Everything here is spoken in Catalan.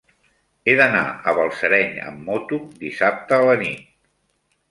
He d'anar a Balsareny amb moto dissabte a la nit.